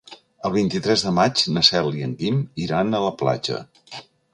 El vint-i-tres de maig na Cel i en Guim iran a la platja.